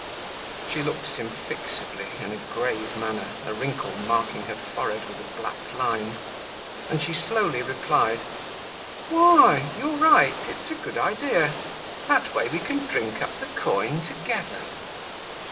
She looked at him fixedly, in a grave manner, a wrinkle marking her forehead with a black line. And she slowly replied: "Why, you're right, it's a good idea. That way, we can drink up the coin together."